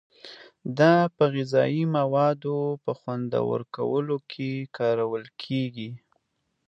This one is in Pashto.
دا په غذایي موادو په خوندور کولو کې کارول کیږي.